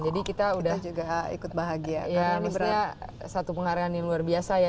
jadi kita udah ya ini setelah satu penghargaan yang luar biasa ya